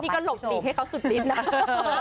นี่ก็หลบดิให้เขาสุดทิศนะ